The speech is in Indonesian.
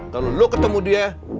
kalo lu ketemu dia